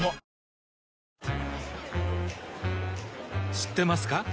知ってますか？